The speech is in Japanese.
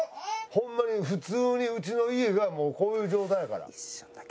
ホンマに普通にうちの家がもうこういう状態やから。